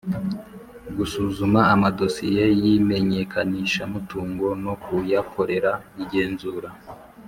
Gusuzuma amadosiye y imenyekanishamutungo no kuyakorera igenzura